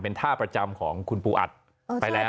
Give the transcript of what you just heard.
เป็นท่าประจำของคุณปูอัดไปแล้ว